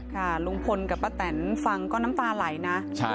ค่ะลุงพลกับป้าแตนฟังก็น้ำตาไหลนะ